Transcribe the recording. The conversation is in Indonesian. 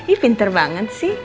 ih pinter banget sih